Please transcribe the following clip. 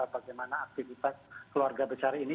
bagaimana aktivitas keluarga besar ini